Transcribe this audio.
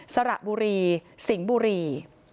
สระบุรีสิงห์บุรี